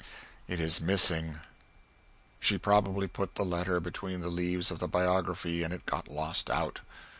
It is missing. She probably put the letter between the leaves of the Biography and it got lost out.